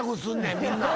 みんな。